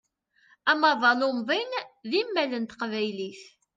Amaḍal umḍin d imal n teqbaylit.